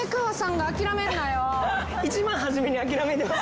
一番初めに諦めてますよ。